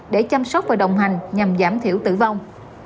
để chăm sóc và đồng hành nhằm giảm thiểu tử vong